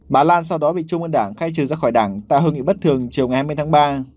bà lan sau đó bị trung ương đảng khai trừ ra khỏi đảng tại hội nghị bất thường chiều ngày hai mươi tháng ba